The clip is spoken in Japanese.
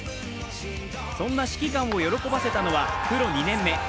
そんな指揮官を喜ばせたのは、プロ２年目、